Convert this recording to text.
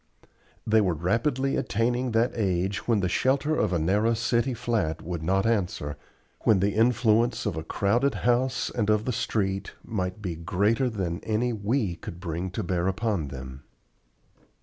They were rapidly attaining that age when the shelter of a narrow city flat would not answer, when the influence of a crowded house and of the street might be greater than any we could bring to bear upon them.